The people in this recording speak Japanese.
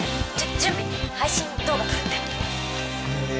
☎準備配信動画撮るってへえ